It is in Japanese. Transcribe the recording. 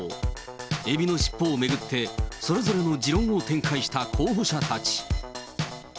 エビの尻尾を巡って、それぞれの持論を展開した候補者たち。